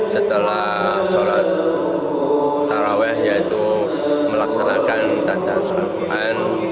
setelah sholat taraweh yaitu melaksanakan tanda surat al quran